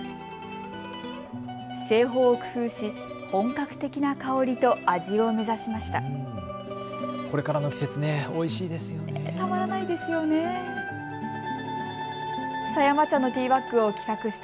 製法を工夫し本格的な香りと味を目指しました。